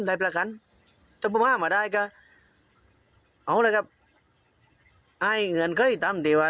ได้ประคัญถ้าปุ้มห้ามอ่ะได้ก็เอาเลยครับให้เงินเคยตามตีว่า